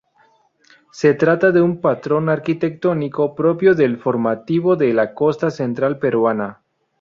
Se trata de un patrón arquitectónico propio del Formativo de la costa central peruana.